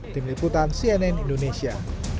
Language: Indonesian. tim liputan cnn indonesia